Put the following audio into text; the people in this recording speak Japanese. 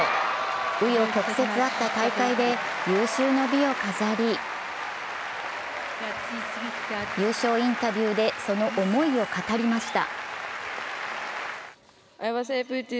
紆余曲折あった大会で有終の美を飾り、優勝インタビューで、その思いを語りました。